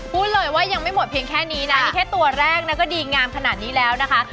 พูดเลยว่ายังไม่หมดเพียงแค่นี้นะนี่แค่ตัวแรกนะก็ดีงามขนาดนี้แล้วนะคะ